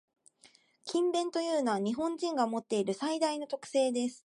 「勤勉」というのは、日本人が持っている最大の特性です。